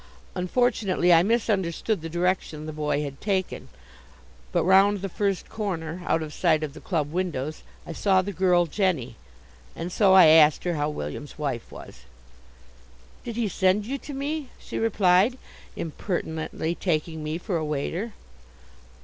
Unfortunately I misunderstood the direction the boy had taken; but round the first corner (out of sight of the club windows) I saw the girl Jenny, and so I asked her how William's wife was. "Did he send you to me?" she replied, impertinently taking me for a waiter.